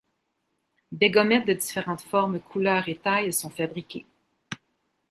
Des gommettes de différentes formes, couleurs et tailles sont fabriquées.